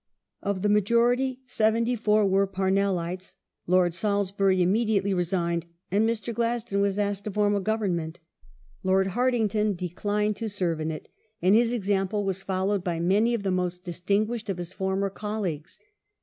Of the majority seventy four were Parnellites. Lord Salisbury immediately resigned, and Mr. Gladstone was asked to form a Government. Lord Hartington declined to serve in it, and his \ example was followed by many of the most distinguished of his former colleagues.